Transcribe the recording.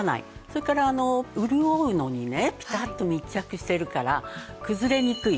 それから潤うのにねピタッと密着してるからくずれにくい。